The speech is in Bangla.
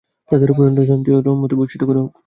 তাঁদের উপর আল্লাহর শান্তি ও রহমত বর্ষিত হোক।